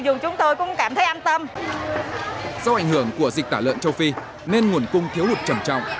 do ảnh hưởng của dịch tả lợn châu phi nên nguồn cung thiếu hụt trầm trọng